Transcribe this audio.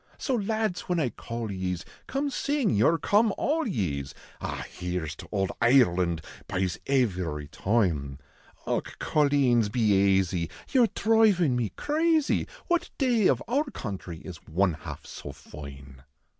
So lads whin I call ye s, come sing vour "Come all ye s," Ah ! here s to ould Ireland, byes, ivery toime ; Deli, coleens, be aisy, your dhrivin me crazy. What day of our country is one half so foine